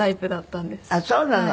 あっそうなの。